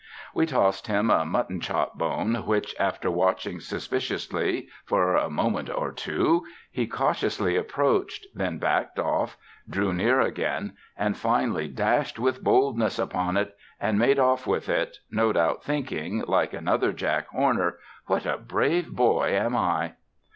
We tossed him a mutton chop bone, which after watching suspiciously for a moment or two he cautiously approached, then backed off, drew near again, and finally dashed with boldness upon it and made off with it, no doubt thinking, like another Jack Horner, "What a brave boy am I!"